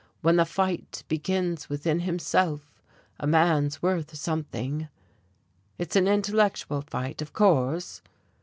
'When the fight begins within himself, a man's worth something.' It's an intellectual fight, of course."